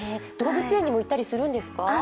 動物園にも行ったりするんですか。